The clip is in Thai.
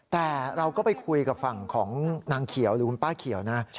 แต่เราก็ไปคุยกับฝั่งของนางเขียวหรือคุณป้าเขียวนะ